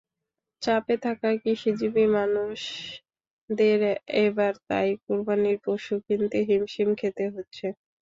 চাপে থাকা কৃষিজীবী মানুষদের এবার তাই কোরবানির পশু কিনতে হিমশিম খেতে হচ্ছে।